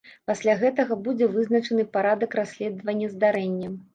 Пасля гэтага будзе вызначаны парадак расследавання здарэння.